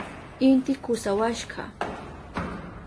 Inti kusawashka.